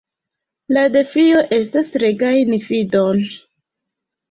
la defio estas regajni fidon”.